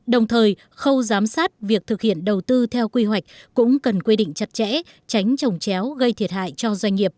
đồng thời khâu giám sát việc thực hiện đầu tư theo quy hoạch cũng cần quy định chặt chẽ tránh trồng chéo gây thiệt hại cho doanh nghiệp